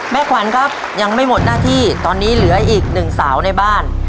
ขวัญครับยังไม่หมดหน้าที่ตอนนี้เหลืออีกหนึ่งสาวในบ้าน